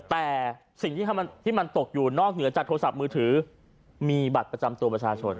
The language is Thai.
แต่สิ่งที่มันตกอยู่นอกเหนือจากโทรศัพท์มือถือมีบัตรประจำตัวประชาชน